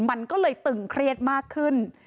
มันก็เลยตึงเครียดมากขึ้น